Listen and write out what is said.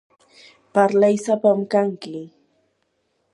parlay sapam kanki.